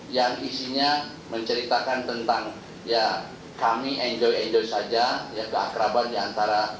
yang isinya menceritakan tentang ya kami enjoy enjoy saja ya keakraban diantara